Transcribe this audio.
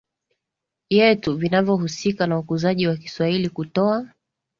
yetu vinavyohusika na ukuzaji wa Kiswahili Kutoa